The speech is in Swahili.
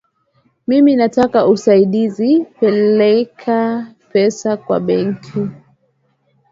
Mimi nataka usaidizi kupeleka pesa kwa benki.